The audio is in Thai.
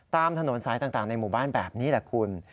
ตามถนนสายต่างในหมู่บ้านแบบนี้แหละคุณ